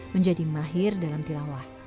menjadi mahir dalam tilawah